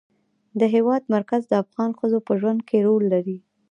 د هېواد مرکز د افغان ښځو په ژوند کې رول لري.